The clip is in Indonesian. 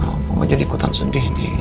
aku gak jadi ikutan sedih nih